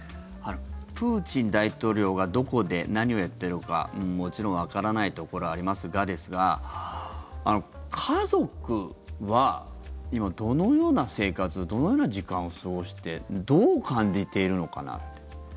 プーチン大統領がどこで何をやっているかもちろんわからないところはありますがですが家族は今、どのような生活どのような時間を過ごしてどう感じているのかなって。